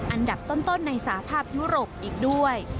อันดับต้นในสาภาพยุโรปอีกด้วย